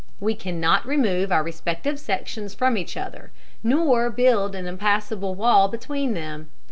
We cannot remove our respective sections from each other, nor build an impassable wall between them.